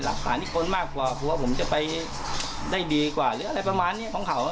สารที่คนมากกว่ากลัวผมจะไปได้ดีกว่าหรืออะไรประมาณนี้ของเขา